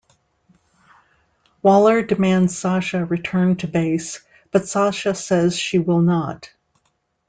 Waller demands Sasha return to base, but Sasha says she will not.